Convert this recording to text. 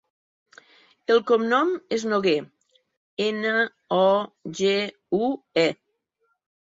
El cognom és Nogue: ena, o, ge, u, e.